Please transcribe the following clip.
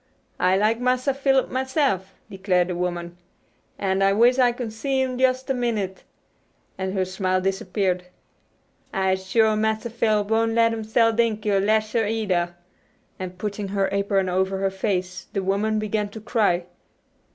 "I likes Massa Philip myse'f," declared the woman, "an' I wishes I could see him jus' a minute," and her smile disappeared. "I'se shuah Massa Philip won' let 'em sell Dinkie, or lash her either," and putting her apron over her face the woman began to cry.